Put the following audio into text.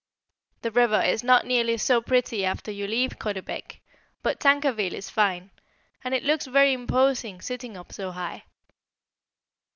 The river is not nearly so pretty after you leave Caudebec, but Tancarville is fine, and looks very imposing sitting up so high.